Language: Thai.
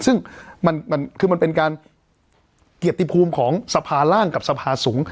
ซึ่งมันคือมันเป็นการเกียรติภูมิของสภาร่างกับสภาสูง